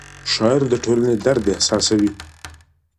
شاعر د ټولنې درد احساسوي.